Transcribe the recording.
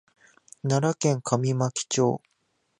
奈良県上牧町